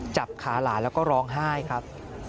จับขาหลานแล้วก็ร้องไห้ครับ